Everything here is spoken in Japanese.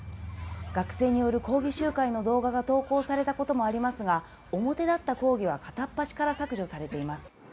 学生による抗議集会の動画が投稿されたこともありますが、表立った抗議は片っ端から削除されています。